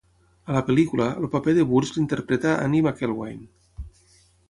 A la pel·lícula, el paper de Burge l'interpreta Annie McElwain.